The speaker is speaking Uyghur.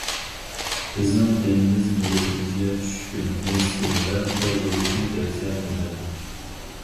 بىزنىڭ دىنىمىز مىللىتىمىزگە چۈشكۈن، مىسكىن ۋە خور بولۇشنى تەۋسىيە قىلمايدۇ.